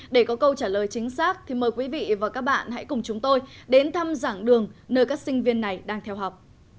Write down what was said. để có câu trả lời chính xác thì mời quý vị và các bạn hãy cùng chúng tôi đến thăm giảng đường nơi các sinh viên này đang theo học